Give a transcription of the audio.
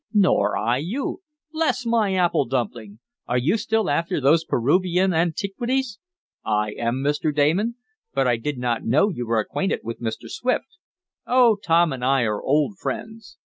"Nor I you. Bless my apple dumpling! Are you still after those Peruvian antiquities?" "I am, Mr. Damon. But I did not know you were acquainted with Mr. Swift." "Oh, Tom and I are old friends."